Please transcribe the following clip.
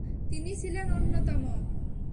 তিনি ছিলেন অন্যতম।